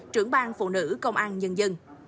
trưởng bang phụ nữ công an nhân dân